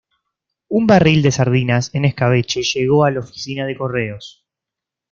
Un barril de sardinas en escabeche llegó a la oficina de correos.